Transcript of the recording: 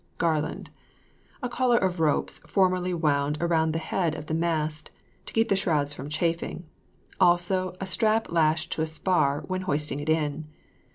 GARLAND. A collar of ropes formerly wound round the head of the mast, to keep the shrouds from chafing. Also, a strap lashed to a spar when hoisting it in.